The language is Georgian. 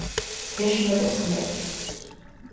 გეშინოდეს ღმერთის